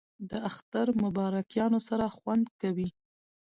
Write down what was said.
د اختر مبارکیانو سره خوند کوي